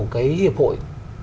cái hiệp hội